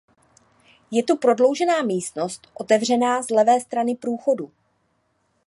Je tu prodloužená místnost otevřená z levé strany průchodu.